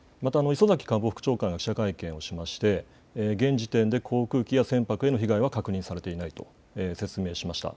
磯崎官房副長官が記者会見しまして現時点で航空機や船舶への被害は確認されていないと説明しました。